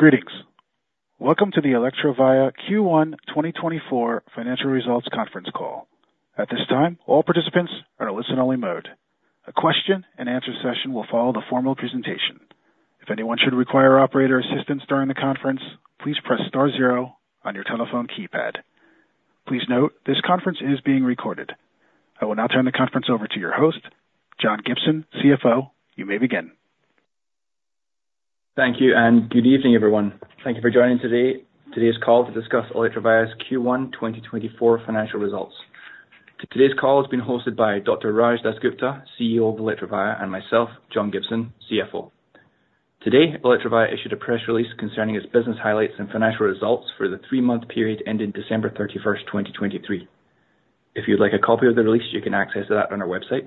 Greetings! Welcome to the Electrovaya Q1 2024 Financial Results Conference Call. At this time, all participants are in a listen-only mode. A question-and-answer session will follow the formal presentation. If anyone should require operator assistance during the conference, please press star zero on your telephone keypad. Please note, this conference is being recorded. I will now turn the conference over to your host, John Gibson, CFO. You may begin. Thank you, and good evening, everyone. Thank you for joining today. Today's call to discuss Electrovaya's Q1 2024 financial results. Today's call is being hosted by Dr. Raj DasGupta, CEO of Electrovaya, and myself, John Gibson, CFO. Today, Electrovaya issued a press release concerning its business highlights and financial results for the three-month period ending December 31, 2023. If you'd like a copy of the release, you can access that on our website.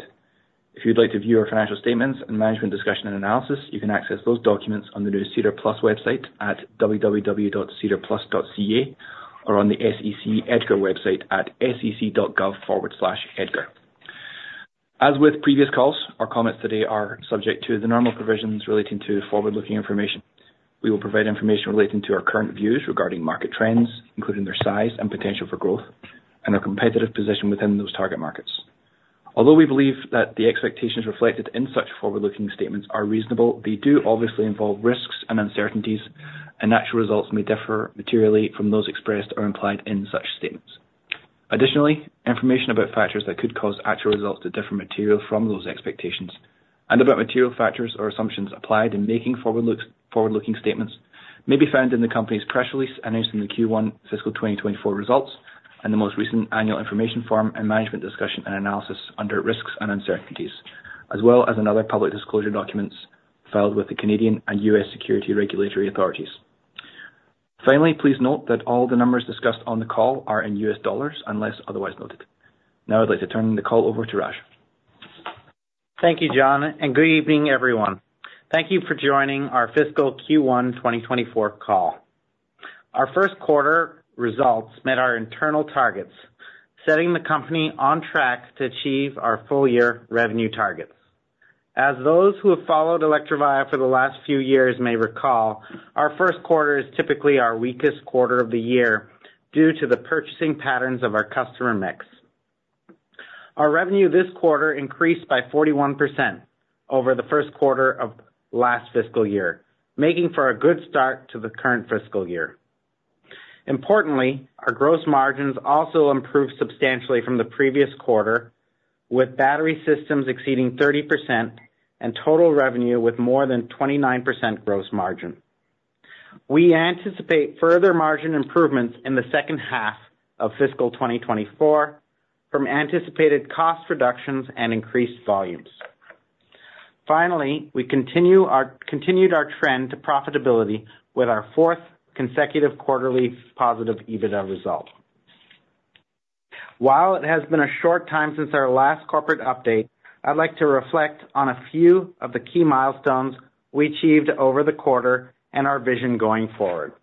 If you'd like to view our financial statements and Management Discussion and Analysis, you can access those documents on the new SEDAR+ website at www.sedarplus.ca, or on the SEC Edgar website at sec.gov/edgar. As with previous calls, our comments today are subject to the normal provisions relating to forward-looking information. We will provide information relating to our current views regarding market trends, including their size and potential for growth, and our competitive position within those target markets. Although we believe that the expectations reflected in such forward-looking statements are reasonable, they do obviously involve risks and uncertainties, and actual results may differ materially from those expressed or implied in such statements. Additionally, information about factors that could cause actual results to differ materially from those expectations and about material factors or assumptions applied in making forward-looking statements may be found in the company's press release announcing the Q1 fiscal 2024 results, and the most recent Annual Information Form and Management Discussion and Analysis under risks and uncertainties, as well as in other public disclosure documents filed with the Canadian and U.S. securities regulatory authorities. Finally, please note that all the numbers discussed on the call are in U.S. dollars, unless otherwise noted. Now I'd like to turn the call over to Raj. Thank you, John, and good evening, everyone. Thank you for joining our fiscal Q1 2024 call. Our first quarter results met our internal targets, setting the company on track to achieve our full-year revenue targets. As those who have followed Electrovaya for the last few years may recall, our first quarter is typically our weakest quarter of the year due to the purchasing patterns of our customer mix. Our revenue this quarter increased by 41% over the first quarter of last fiscal year, making for a good start to the current fiscal year. Importantly, our gross margins also improved substantially from the previous quarter, with battery systems exceeding 30% and total revenue with more than 29% gross margin. We anticipate further margin improvements in the second half of fiscal 2024 from anticipated cost reductions and increased volumes. Finally, we continued our trend to profitability with our fourth consecutive quarterly positive EBITDA result. While it has been a short time since our last corporate update, I'd like to reflect on a few of the key milestones we achieved over the quarter and our vision going forward.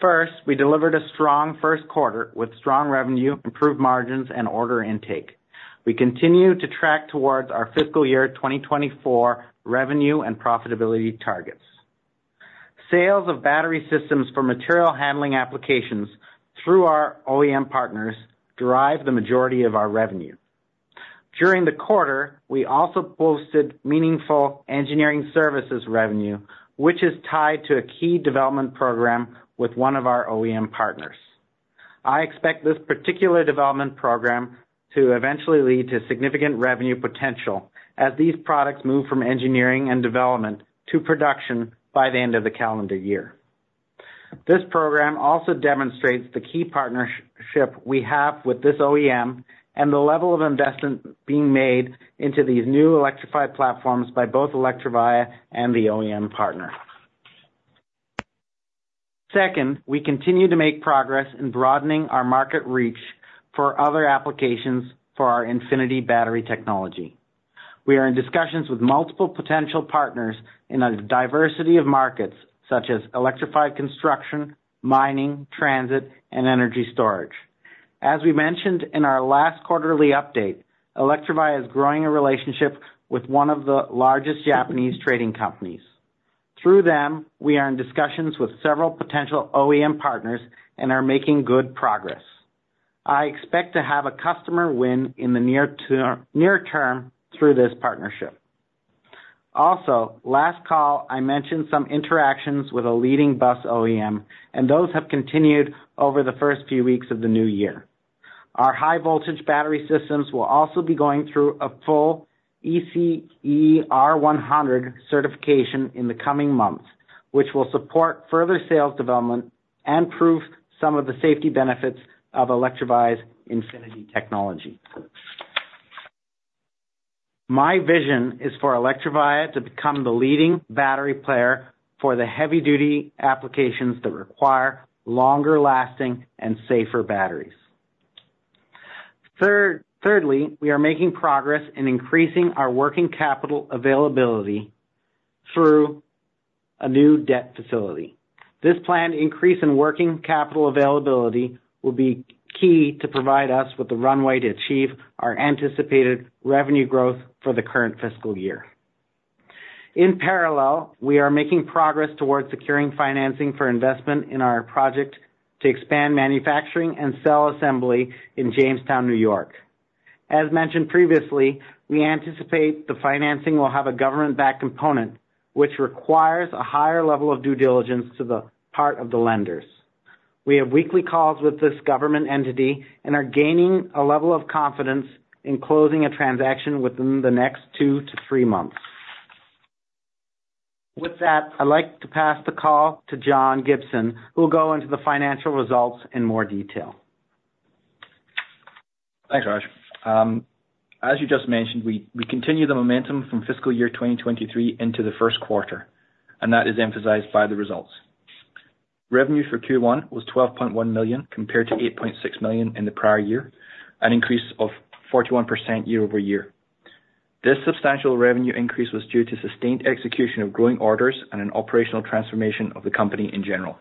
First, we delivered a strong first quarter with strong revenue, improved margins, and order intake. We continue to track towards our fiscal year 2024 revenue and profitability targets. Sales of battery systems for material handling applications through our OEM partners drive the majority of our revenue. During the quarter, we also posted meaningful engineering services revenue, which is tied to a key development program with one of our OEM partners. I expect this particular development program to eventually lead to significant revenue potential as these products move from engineering and development to production by the end of the calendar year. This program also demonstrates the key partnership we have with this OEM and the level of investment being made into these new electrified platforms by both Electrovaya and the OEM partner. Second, we continue to make progress in broadening our market reach for other applications for our Infinity battery technology. We are in discussions with multiple potential partners in a diversity of markets such as electrified construction, mining, transit, and energy storage. As we mentioned in our last quarterly update, Electrovaya is growing a relationship with one of the largest Japanese trading companies. Through them, we are in discussions with several potential OEM partners and are making good progress. I expect to have a customer win in the near term through this partnership. Also, last call, I mentioned some interactions with a leading bus OEM, and those have continued over the first few weeks of the new year. Our high-voltage battery systems will also be going through a full ECE R100 certification in the coming months, which will support further sales development and prove some of the safety benefits of Electrovaya's Infinity technology. My vision is for Electrovaya to become the leading battery player for the heavy-duty applications that require longer-lasting and safer batteries. Thirdly, we are making progress in increasing our working capital availability through a new debt facility. This planned increase in working capital availability will be key to provide us with the runway to achieve our anticipated revenue growth for the current fiscal year. In parallel, we are making progress towards securing financing for investment in our project to expand manufacturing and cell assembly in Jamestown, New York. As mentioned previously, we anticipate the financing will have a government-backed component, which requires a higher level of due diligence to the part of the lenders. We have weekly calls with this government entity and are gaining a level of confidence in closing a transaction within the next two to three months. With that, I'd like to pass the call to John Gibson, who will go into the financial results in more detail. Thanks, Raj. As you just mentioned, we continue the momentum from fiscal year 2023 into the first quarter, and that is emphasized by the results. Revenue for Q1 was $12.1 million, compared to $8.6 million in the prior year, an increase of 41% year-over-year. This substantial revenue increase was due to sustained execution of growing orders and an operational transformation of the company in general.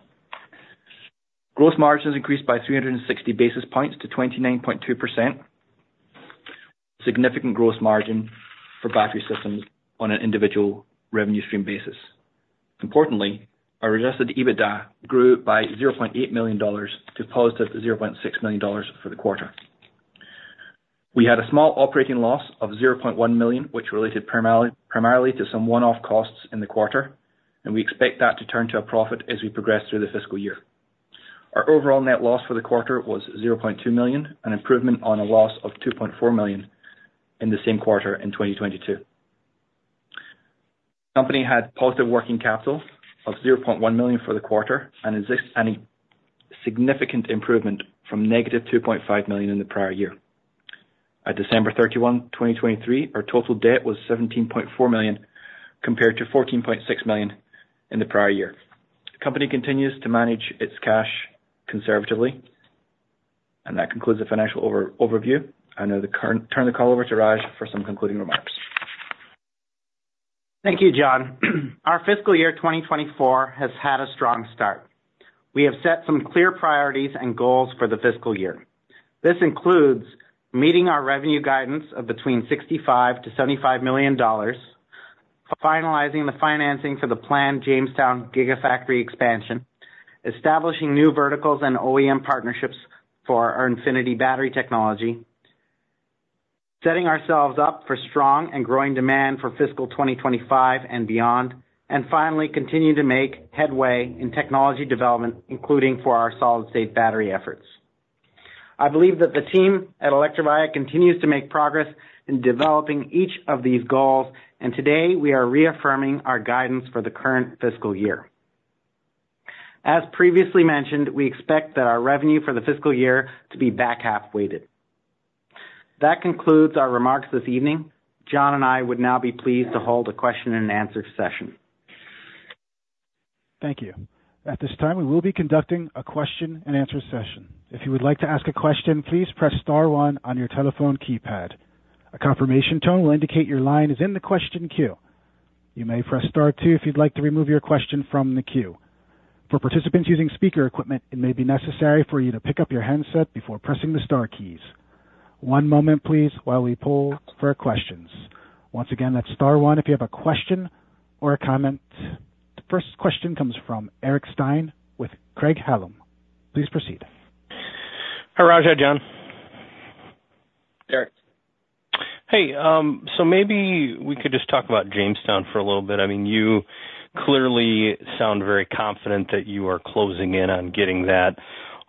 Gross margins increased by 360 basis points to 29.2%. Significant gross margin for battery systems on an individual revenue stream basis. Importantly, our adjusted EBITDA grew by $0.8 million to positive $0.6 million for the quarter. We had a small operating loss of $0.1 million, which related primarily to some one-off costs in the quarter, and we expect that to turn to a profit as we progress through the fiscal year. Our overall net loss for the quarter was $0.2 million, an improvement on a loss of $2.4 million in the same quarter in 2022. The company had positive working capital of $0.1 million for the quarter and represents a significant improvement from -$2.5 million in the prior year. At December 31, 2023, our total debt was $17.4 million, compared to $14.6 million in the prior year. The company continues to manage its cash conservatively. That concludes the financial overview. I now turn the call over to Raj for some concluding remarks. Thank you, John. Our fiscal year 2024 has had a strong start. We have set some clear priorities and goals for the fiscal year. This includes meeting our revenue guidance of between $65 million-$75 million, finalizing the financing for the planned Jamestown Gigafactory expansion, establishing new verticals and OEM partnerships for our Infinity battery technology, setting ourselves up for strong and growing demand for fiscal 2025 and beyond, and finally, continuing to make headway in technology development, including for our solid-state battery efforts. I believe that the team at Electrovaya continues to make progress in developing each of these goals, and today we are reaffirming our guidance for the current fiscal year. As previously mentioned, we expect that our revenue for the fiscal year to be back half weighted. That concludes our remarks this evening. John and I would now be pleased to hold a question and answer session. Thank you. At this time, we will be conducting a question and answer session. If you would like to ask a question, please press star one on your telephone keypad. A confirmation tone will indicate your line is in the question queue. You may press star two if you'd like to remove your question from the queue. For participants using speaker equipment, it may be necessary for you to pick up your handset before pressing the star keys. One moment, please, while we pull for questions. Once again, that's star one if you have a question or a comment. The first question comes from Eric Stine with Craig-Hallum. Please proceed. Hi, Raj and John. Eric. Hey, so maybe we could just talk about Jamestown for a little bit. I mean, you clearly sound very confident that you are closing in on getting that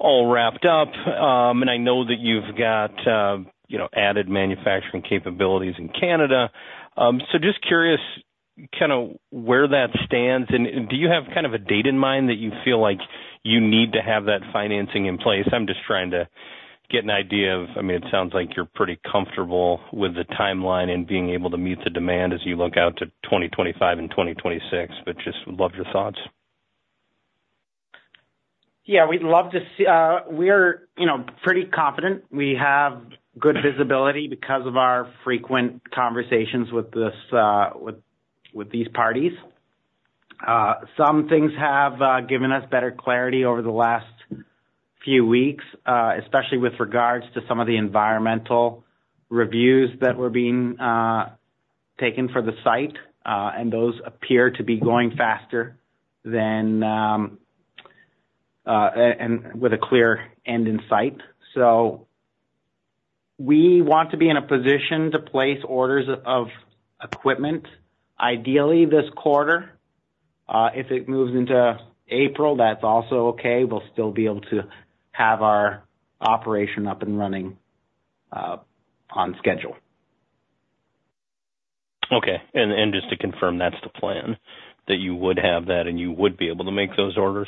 all wrapped up. And I know that you've got, you know, added manufacturing capabilities in Canada. So just curious, kind of where that stands, and do you have kind of a date in mind that you feel like you need to have that financing in place? I'm just trying to get an idea of- I mean, it sounds like you're pretty comfortable with the timeline and being able to meet the demand as you look out to 2025 and 2026, but just would love your thoughts. Yeah, we'd love to see, we're, you know, pretty confident. We have good visibility because of our frequent conversations with this, with these parties. Some things have given us better clarity over the last few weeks, especially with regards to some of the environmental reviews that were being taken for the site, and those appear to be going faster than, and with a clear end in sight. So we want to be in a position to place orders of equipment, ideally this quarter. If it moves into April, that's also okay. We'll still be able to have our operation up and running, on schedule. Okay, and, and just to confirm, that's the plan, that you would have that, and you would be able to make those orders?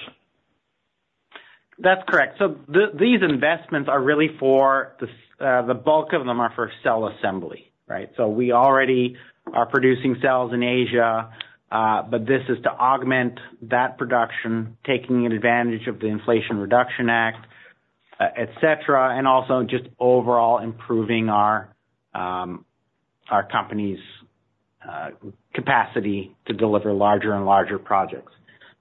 That's correct. So these investments are really for the bulk of them are for cell assembly, right? So we already are producing cells in Asia, but this is to augment that production, taking advantage of the Inflation Reduction Act, et cetera, and also just overall improving our our company's capacity to deliver larger and larger projects.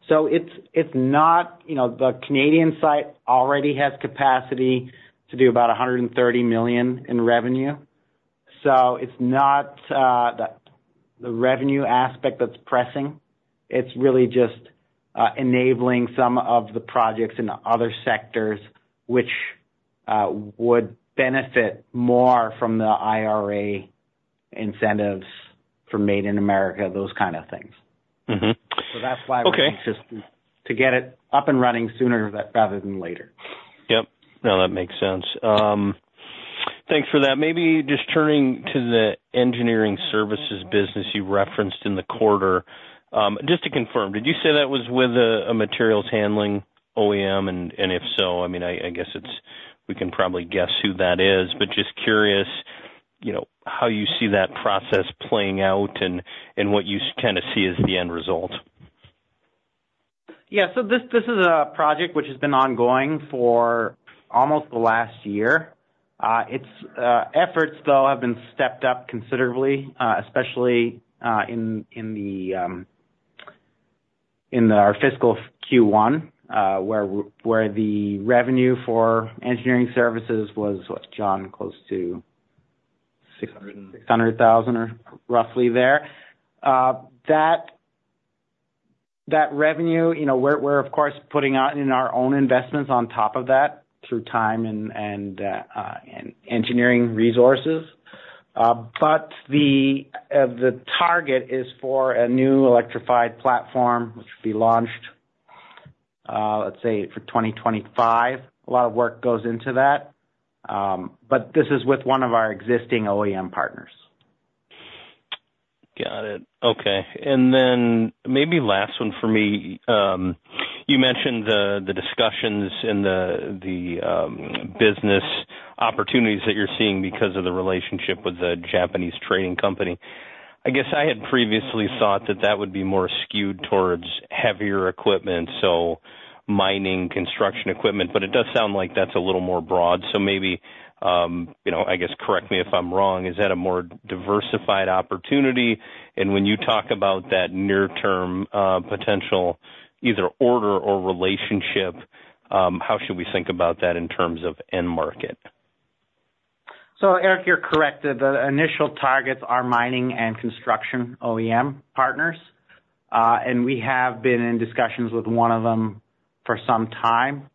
So it's not, you know, the Canadian site already has capacity to do about $130 million in revenue. So it's not the revenue aspect that's pressing. It's really just enabling some of the projects in the other sectors, which would benefit more from the IRA incentives for Made in America, those kind of things. Mm-hmm. So that's why- Okay. Just to get it up and running sooner rather than later. Yep. No, that makes sense. Thanks for that. Maybe just turning to the engineering services business you referenced in the quarter. Just to confirm, did you say that was with a materials handling OEM? And if so, I mean, I guess it's, we can probably guess who that is, but just curious, you know, how you see that process playing out and what you kinda see as the end result? Yeah. So this is a project which has been ongoing for almost the last year. Its efforts though have been stepped up considerably, especially in our fiscal Q1, where the revenue for engineering services was what, John? Close to- 600 and- $600,000 or roughly there. That revenue, you know, we're of course putting out in our own investments on top of that, through time and engineering resources. But the target is for a new electrified platform, which will be launched, let's say for 2025. A lot of work goes into that, but this is with one of our existing OEM partners. Got it. Okay. And then maybe last one for me. You mentioned the discussions and the business opportunities that you're seeing because of the relationship with the Japanese trading company. I guess I had previously thought that that would be more skewed towards heavier equipment, so mining, construction equipment, but it does sound like that's a little more broad. So maybe, you know, I guess correct me if I'm wrong, is that a more diversified opportunity? And when you talk about that near term potential, either order or relationship, how should we think about that in terms of end market? So, Eric, you're correct. The initial targets are mining and construction OEM partners, and we have been in discussions with one of them for some time.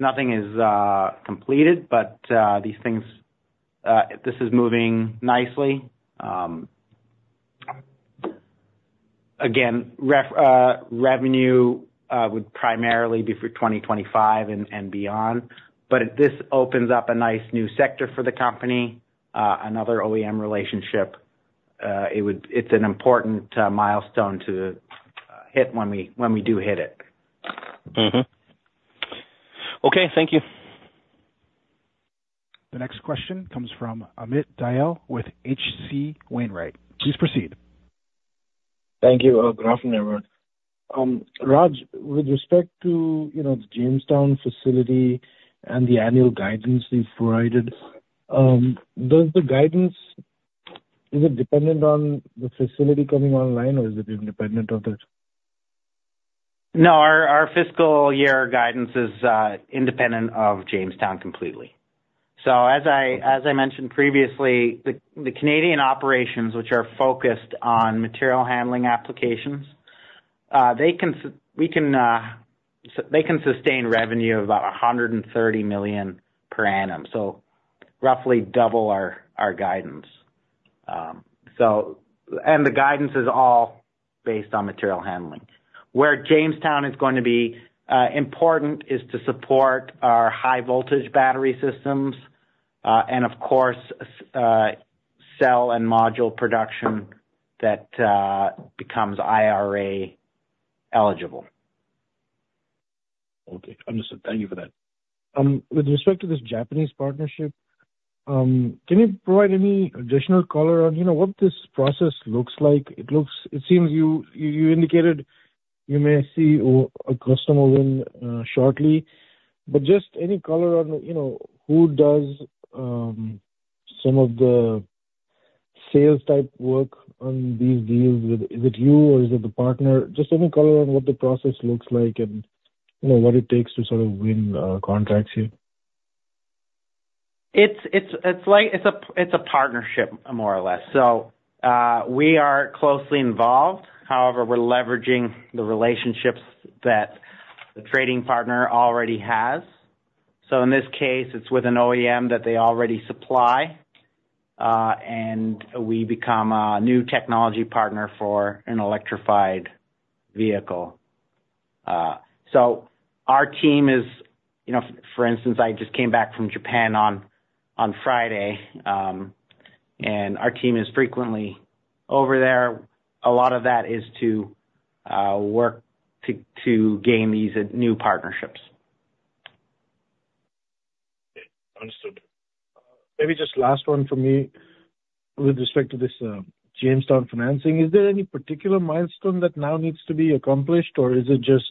Nothing is completed, but these things, this is moving nicely. Again, revenue would primarily be for 2025 and beyond, but this opens up a nice new sector for the company, another OEM relationship. It would. It's an important milestone to hit when we do hit it. Mm-hmm. Okay, thank you. The next question comes from Amit Dayal with H.C. Wainwright. Please proceed. Thank you. Good afternoon, everyone. Raj, with respect to, you know, the Jamestown facility and the annual guidance you've provided, does the guidance, is it dependent on the facility coming online, or is it independent of it? No, our fiscal year guidance is independent of Jamestown completely. So as I mentioned previously, the Canadian operations, which are focused on material handling applications, they can sustain revenue of about $130 million per annum, so roughly double our guidance. So, and the guidance is all based on material handling. Where Jamestown is going to be important is to support our high-voltage battery systems, and of course, cell and module production that becomes IRA eligible. Okay, understood. Thank you for that. With respect to this Japanese partnership, can you provide any additional color on, you know, what this process looks like? It seems you indicated you may see a customer win shortly, but just any color on, you know, who does some of the sales type work on these deals? Is it you or is it the partner? Just any color on what the process looks like and, you know, what it takes to sort of win contracts here. It's like a partnership, more or less. So, we are closely involved. However, we're leveraging the relationships that the trading partner already has. So in this case, it's with an OEM that they already supply, and we become a new technology partner for an electrified vehicle. So our team is, you know, for instance, I just came back from Japan on Friday, and our team is frequently over there. A lot of that is to work to gain these new partnerships. Okay. Understood. Maybe just last one for me. With respect to this, Jamestown financing, is there any particular milestone that now needs to be accomplished, or is it just,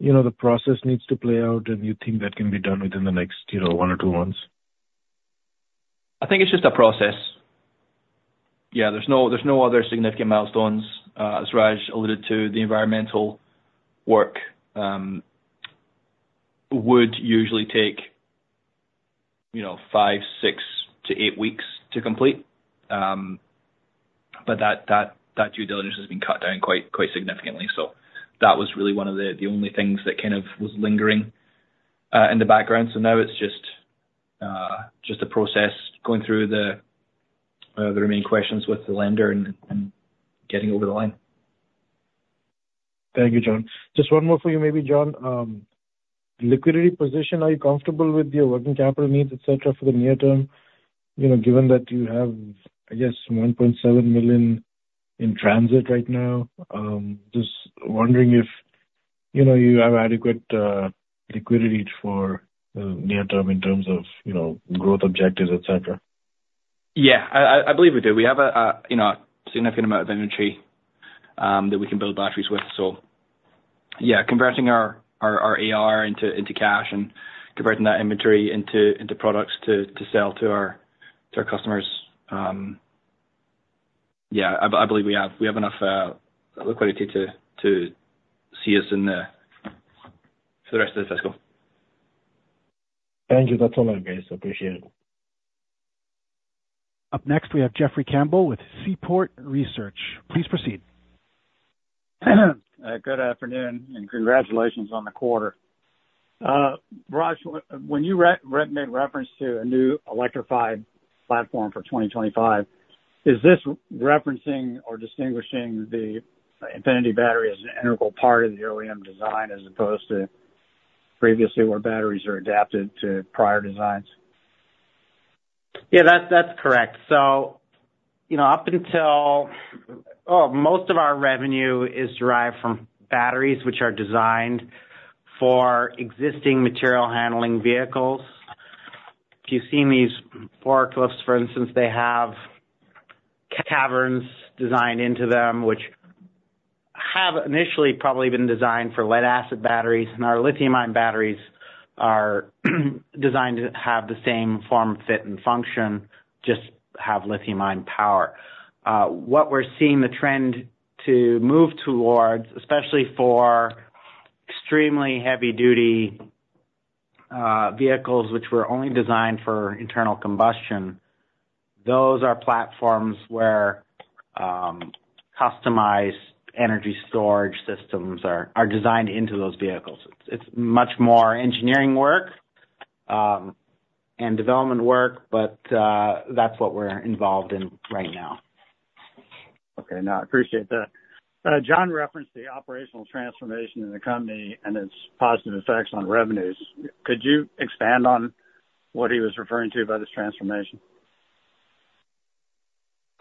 you know, the process needs to play out, and you think that can be done within the next, you know, one or two months? I think it's just a process. Yeah, there's no other significant milestones. As Raj alluded to, the environmental work would usually take, you know, 5, 6 to 8 weeks to complete. But that due diligence has been cut down quite, quite significantly. So that was really one of the only things that kind of was lingering in the background. So now it's just a process going through the remaining questions with the lender and getting over the line. Thank you, gents. Just one more for you, maybe, John. Liquidity position, are you comfortable with your working capital needs, et cetera, for the near term? You know, given that you have, I guess, $1.7 million in transit right now, just wondering if, you know, you have adequate liquidity for the near term in terms of, you know, growth objectives, et cetera. Yeah, I believe we do. We have you know a significant amount of inventory that we can build batteries with. So yeah, converting our AR into cash and converting that inventory into products to sell to our customers. Yeah, I believe we have enough liquidity to see us in the for the rest of the fiscal. Thank you. That's all, I guess. Appreciate it. Up next, we have Jeffrey Campbell with Seaport Research. Please proceed. Good afternoon, and congratulations on the quarter. Raj, when you made reference to a new electrified platform for 2025, is this referencing or distinguishing the Infinity battery as an integral part of the OEM design, as opposed to previously, where batteries are adapted to prior designs? Yeah, that's, that's correct. So, you know, up until- oh, most of our revenue is derived from batteries, which are designed for existing material handling vehicles. If you've seen these forklifts, for instance, they have caverns designed into them, which have initially probably been designed for lead-acid batteries, and our lithium-ion batteries are designed to have the same form, fit, and function, just have lithium-ion power. What we're seeing the trend to move towards, especially for extremely heavy duty vehicles, which were only designed for internal combustion, those are platforms where customized energy storage systems are designed into those vehicles. It's much more engineering work and development work, but that's what we're involved in right now. Okay. No, I appreciate that. John referenced the operational transformation in the company and its positive effects on revenues. Could you expand on what he was referring to by this transformation?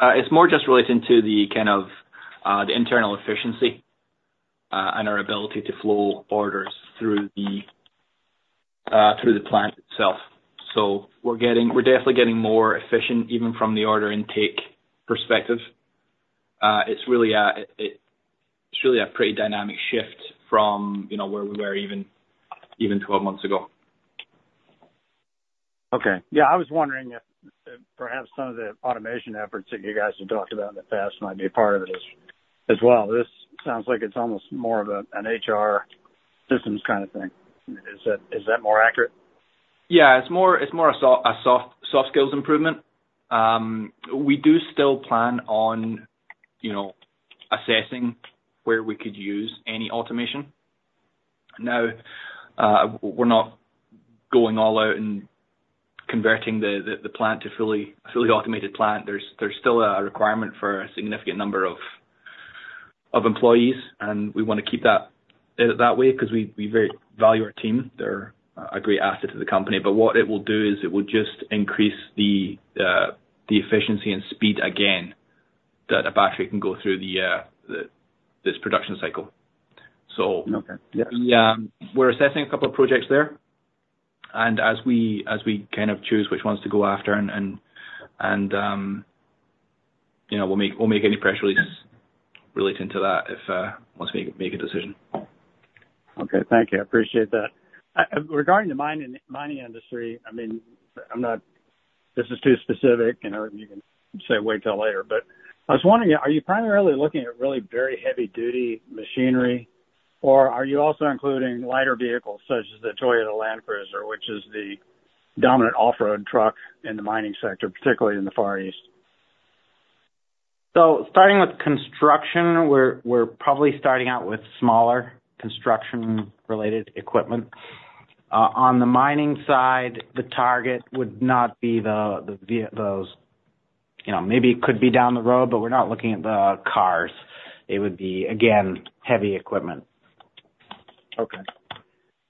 It's more just relating to the kind of, the internal efficiency, and our ability to flow orders through the, through the plant itself. So we're getting, we're definitely getting more efficient, even from the order intake perspective. It's really a, it, it's really a pretty dynamic shift from, you know, where we were even, even 12 months ago. Okay. Yeah, I was wondering if, perhaps some of the automation efforts that you guys have talked about in the past might be a part of it as, as well. This sounds like it's almost more of a, an HR systems kind of thing. Is that, is that more accurate? Yeah, it's more of a soft skills improvement. We do still plan on, you know, assessing where we could use any automation. Now, we're not going all out and converting the plant to a fully automated plant. There's still a requirement for a significant number of employees, and we wanna keep that way because we very value our team. They're a great asset to the company. But what it will do is it will just increase the efficiency and speed, again, that a battery can go through this production cycle. So- Okay. Yeah. We're assessing a couple of projects there, and as we kind of choose which ones to go after and, you know, we'll make any press releases relating to that once we make a decision. Okay. Thank you. I appreciate that. Uh, regarding the mining, mining industry, I mean, I'm not, if this is too specific, you know, you can say wait till later, but I was wondering, are you primarily looking at really very heavy-duty machinery, or are you also including lighter vehicles such as the Toyota Land Cruiser, which is the dominant off-road truck in the mining sector, particularly in the Far East? So starting with construction, we're probably starting out with smaller construction-related equipment. On the mining side, the target would not be the vehicles, those, you know, maybe it could be down the road, but we're not looking at the cars. It would be, again, heavy equipment. Okay.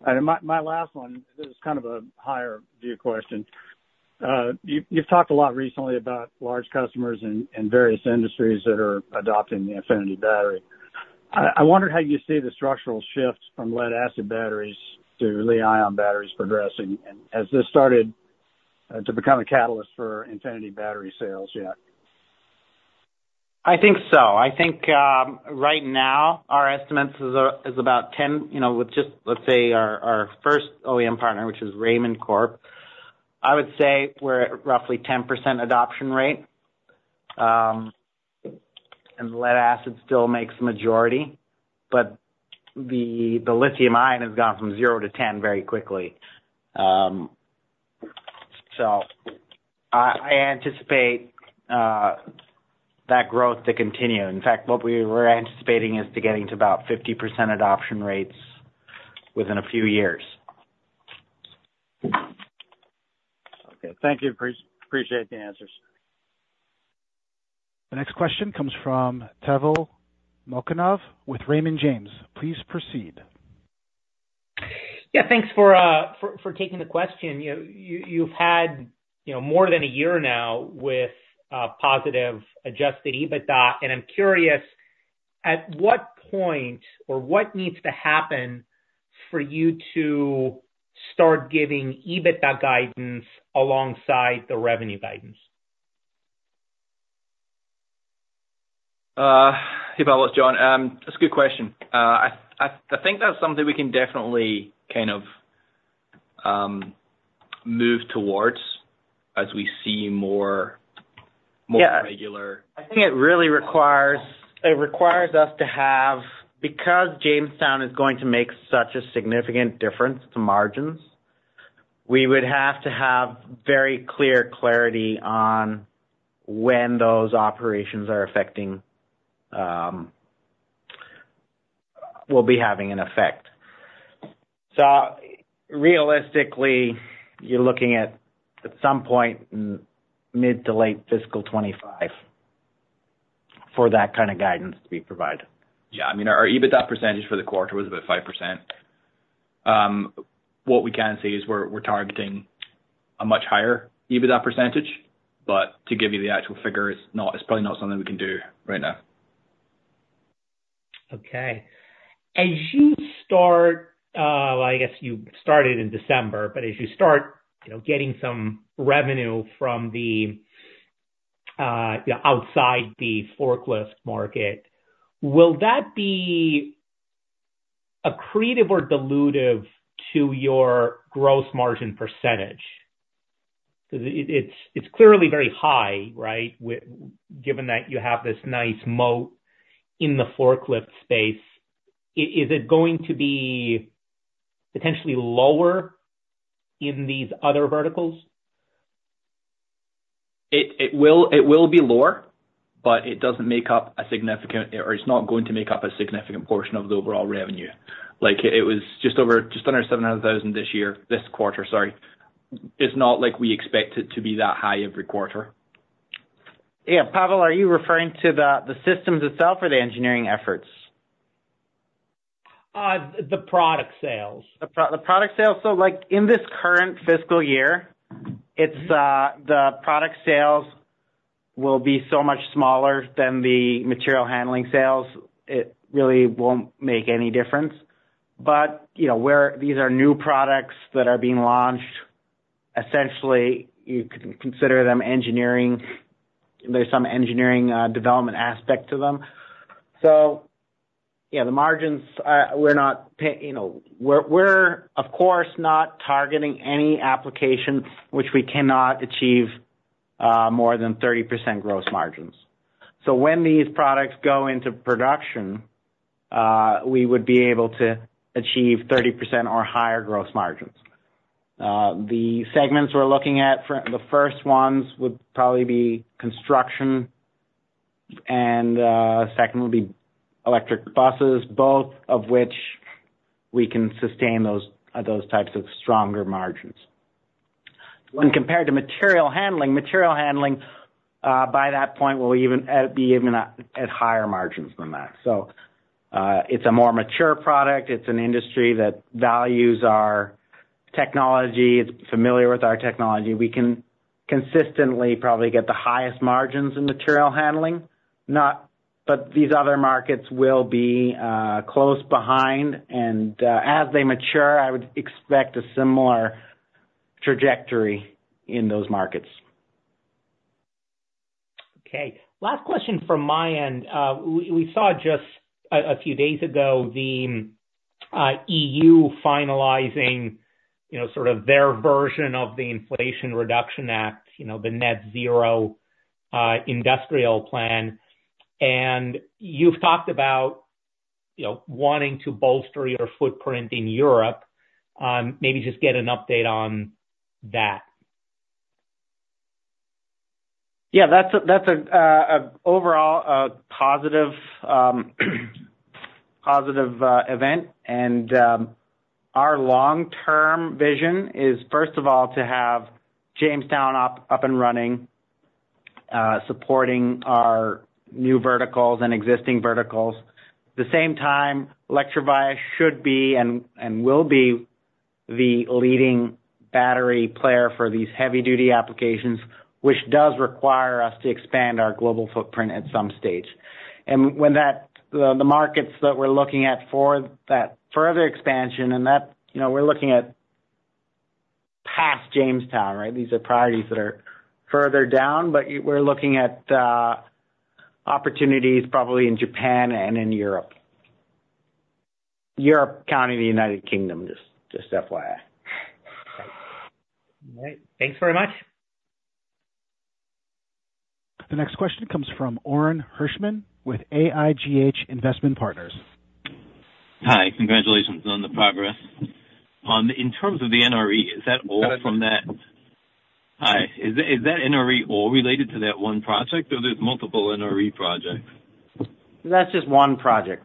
And my last one, this is kind of a higher view question. You, you've talked a lot recently about large customers in various industries that are adopting the Infinity battery. I wondered how you see the structural shifts from lead-acid batteries to Li-ion batteries progressing, and has this started to become a catalyst for Infinity battery sales yet? I think so. I think, right now, our estimates is about 10, you know, with just, let's say our, our first OEM partner, which is Raymond Corp. I would say we're at roughly 10% adoption rate. And lead acid still makes the majority, but the, the lithium-ion has gone from zero to 10 very quickly. So I, I anticipate that growth to continue. In fact, what we were anticipating is to getting to about 50% adoption rates within a few years. Okay. Thank you. Appreciate the answers. The next question comes from Pavel Molchanov, with Raymond James. Please proceed. Yeah, thanks for taking the question. You've had, you know, more than a year now with positive adjusted EBITDA, and I'm curious, at what point or what needs to happen for you to start giving EBITDA guidance alongside the revenue guidance? Hey, Pavel, it's John. That's a good question. I think that's something we can definitely kind of move towards as we see more regular- Yeah. I think it really requires, it requires us to have- because Jamestown is going to make such a significant difference to margins, we would have to have very clear clarity on when those operations are affecting, will be having an effect. So realistically, you're looking at, at some point, mid to late fiscal 2025 for that kind of guidance to be provided. Yeah, I mean, our EBITDA percentage for the quarter was about 5%. What we can say is we're targeting a much higher EBITDA percentage, but to give you the actual figure, it's probably not something we can do right now. Okay. As you start, I guess you started in December, but as you start, you know, getting some revenue from the, you know, outside the forklift market, will that be accretive or dilutive to your gross margin percentage? Because it's clearly very high, right? Given that you have this nice moat in the forklift space, is it going to be potentially lower in these other verticals? It will be lower, but it doesn't make up a significant, or it's not going to make up a significant portion of the overall revenue. Like it was just under $700,000 this quarter, sorry. It's not like we expect it to be that high every quarter. Yeah. Pavel, are you referring to the systems itself or the engineering efforts? The product sales. The product sales. So, like, in this current fiscal year, it's the product sales will be so much smaller than the material handling sales. It really won't make any difference. But, you know, where these are new products that are being launched, essentially, you can consider them engineering. There's some engineering development aspect to them. So yeah, the margins are. We're not, you know, we're, we're of course, not targeting any application which we cannot achieve more than 30% gross margins. So when these products go into production, we would be able to achieve 30% or higher gross margins. The segments we're looking at for the first ones would probably be construction, and second would be electric buses, both of which we can sustain those types of stronger margins. When compared to material handling, by that point, will even be even at higher margins than that. So, it's a more mature product. It's an industry that values our technology; it's familiar with our technology. We can consistently probably get the highest margins in material handling, but these other markets will be close behind. And, as they mature, I would expect a similar trajectory in those markets. Okay. Last question from my end. We saw just a few days ago the EU finalizing, you know, sort of their version of the Inflation Reduction Act, you know, the Net-Zero industrial plan. And you've talked about, you know, wanting to bolster your footprint in Europe. Maybe just get an update on that. Yeah, that's an overall positive event. Our long-term vision is, first of all, to have Jamestown up and running, supporting our new verticals and existing verticals. At the same time, Electrovaya should be and will be the leading battery player for these heavy-duty applications, which does require us to expand our global footprint at some stage. And when that happens, the markets that we're looking at for that further expansion, and that, you know, we're looking at past Jamestown, right? These are priorities that are further down, but we're looking at opportunities probably in Japan and in Europe. Europe, counting the United Kingdom, just FYI. All right. Thanks very much. The next question comes from Orin Hirschman with AIGH Investment Partners. Hi, congratulations on the progress. In terms of the NRE, is that all from that? Hi. Is that, is that NRE all related to that one project, or there's multiple NRE projects? That's just one project.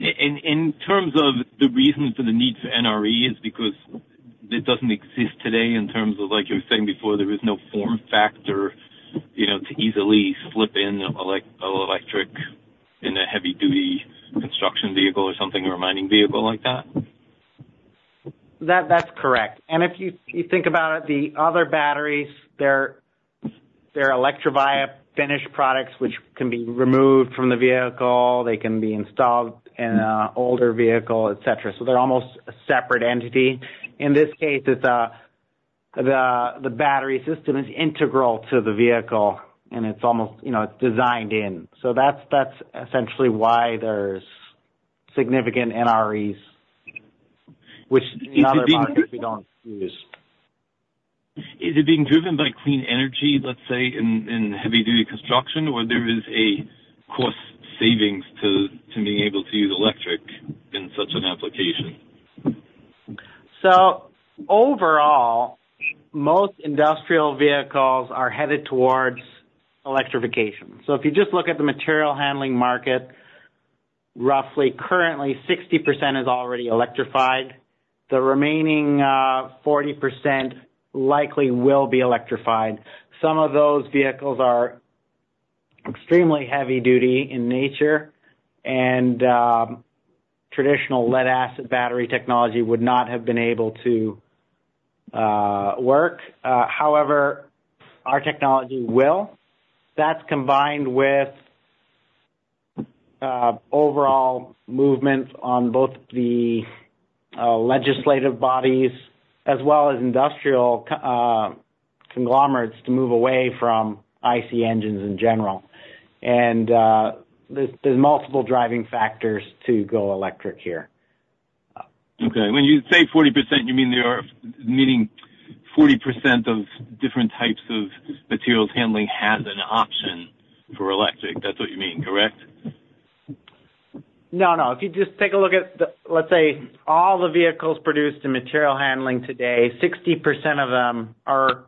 In terms of the reason for the need for NRE is because it doesn't exist today in terms of like you were saying before, there is no form factor, you know, to easily slip in electric in a heavy-duty construction vehicle or something, or a mining vehicle like that? That, that's correct. And if you think about it, the other batteries, they're Electrovaya finished products, which can be removed from the vehicle. They can be installed in an older vehicle, et cetera, so they're almost a separate entity. In this case, it's the battery system is integral to the vehicle, and it's almost, you know, designed in. So that's, that's essentially why there's significant NREs, which in other markets we don't use. Is it being driven by clean energy, let's say, in heavy-duty construction, or there is a cost savings to being able to use electric in such an application? So overall, most industrial vehicles are headed towards electrification. So if you just look at the material handling market, roughly currently 60% is already electrified. The remaining, 40% likely will be electrified. Some of those vehicles are extremely heavy duty in nature, and, traditional lead acid battery technology would not have been able to, work. However, our technology will. That's combined with, overall movements on both the, legislative bodies as well as industrial conglomerates to move away from IC engines in general. And, there's multiple driving factors to go electric here. Okay. When you say 40%, you mean there are, meaning 40% of different types of materials handling has an option for electric. That's what you mean, correct? No, no. If you just take a look at the- let's say all the vehicles produced in material handling today, 60% of them are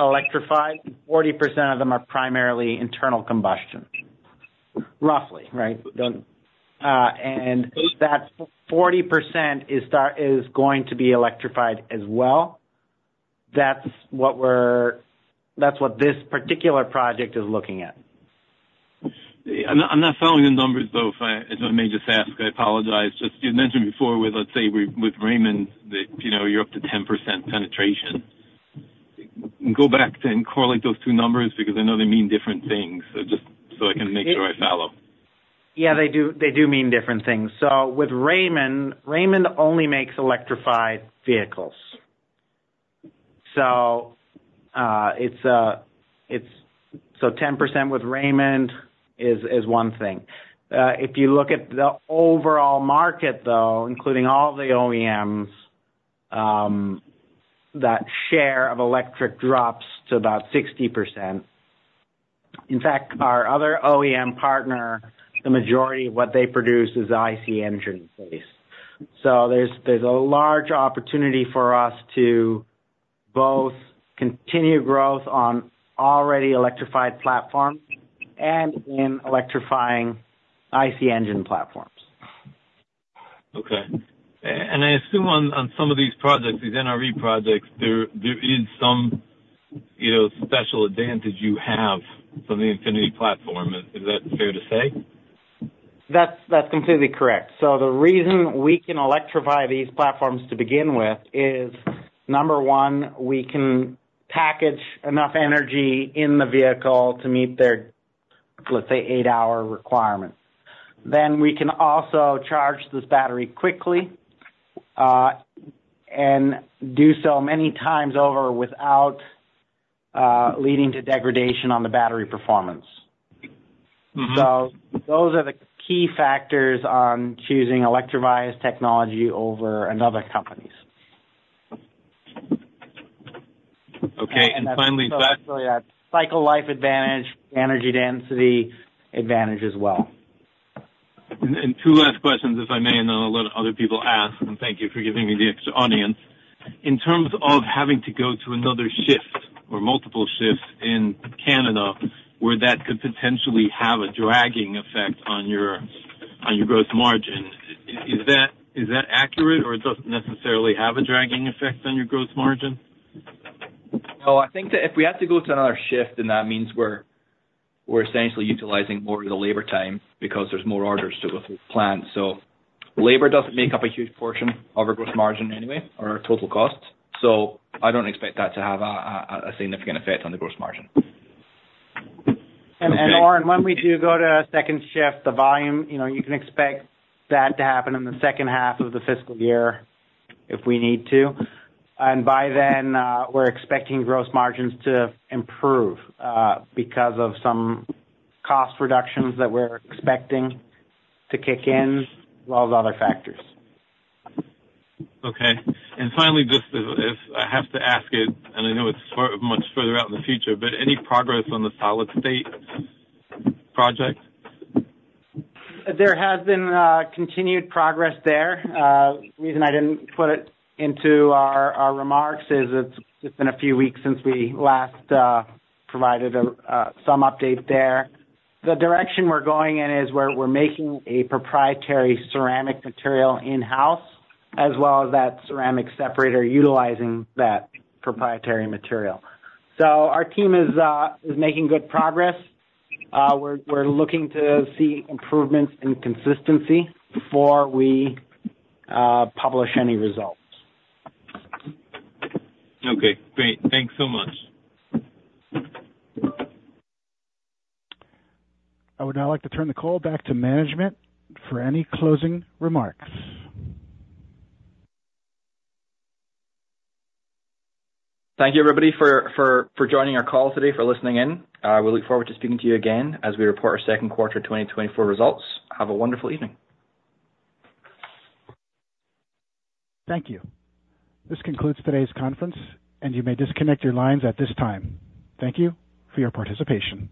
electrified, 40% of them are primarily internal combustion, roughly, right? And that 40% is going to be electrified as well. That's what this particular project is looking at. I'm not following the numbers, though, if I may just ask. I apologize. Just, you mentioned before with, let's say, with Raymond, that, you know, you're up to 10% penetration. Go back and correlate those two numbers, because I know they mean different things, so just so I can make sure I follow. Yeah, they do. They do mean different things. So with Raymond, Raymond only makes electrified vehicles. So, 10% with Raymond is one thing. If you look at the overall market, though, including all the OEMs, that share of electric drops to about 60%. In fact, our other OEM partner, the majority of what they produce is the IC engine base. So there's a large opportunity for us to both continue growth on already electrified platforms and in electrifying IC engine platforms. Okay. And I assume on some of these projects, these NRE projects, there is some, you know, special advantage you have from the Infinity platform. Is that fair to say? That's, that's completely correct. So the reason we can electrify these platforms to begin with is, number one, we can package enough energy in the vehicle to meet their, let's say, eight-hour requirements. Then we can also charge this battery quickly, and do so many times over without leading to degradation on the battery performance. Mm-hmm. So those are the key factors on choosing Electrovaya's technology over another company's. Okay, finally, back- Cycle life advantage, energy density advantage as well. Two last questions, if I may, and I'll let other people ask, and thank you for giving me the extra audience. In terms of having to go to another shift or multiple shifts in Canada, where that could potentially have a dragging effect on your growth margin, is that accurate, or it doesn't necessarily have a dragging effect on your growth margin? No, I think that if we have to go to another shift, then that means we're essentially utilizing more of the labor time because there's more orders to go through the plant. So labor doesn't make up a huge portion of our gross margin anyway, or our total costs, so I don't expect that to have a significant effect on the gross margin. Orin, when we do go to a second shift, the volume, you know, you can expect that to happen in the second half of the fiscal year if we need to. And by then, we're expecting gross margins to improve, because of some cost reductions that we're expecting to kick in, as well as other factors. Okay. And finally, just as I have to ask it, and I know it's far, much further out in the future, but any progress on the solid-state project? There has been continued progress there. The reason I didn't put it into our remarks is it's been a few weeks since we last provided some update there. The direction we're going in is we're making a proprietary ceramic material in-house, as well as that ceramic separator utilizing that proprietary material. So our team is making good progress. We're looking to see improvements in consistency before we publish any results. Okay, great. Thanks so much. I would now like to turn the call back to management for any closing remarks. Thank you, everybody, for joining our call today, for listening in. We look forward to speaking to you again as we report our second quarter 2024 results. Have a wonderful evening. Thank you. This concludes today's conference, and you may disconnect your lines at this time. Thank you for your participation.